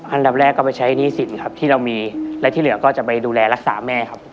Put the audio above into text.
อันดับแรกก็ไปใช้หนี้สินครับที่เรามีและที่เหลือก็จะไปดูแลรักษาแม่ครับ